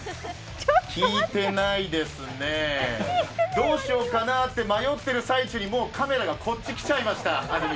聞いてないですねどうしようかなって迷っている最中にもうカメラがこっちに来ちゃいました。